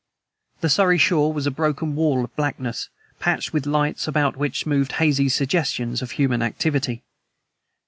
The Surrey shore was a broken wall of blackness, patched with lights about which moved hazy suggestions of human activity.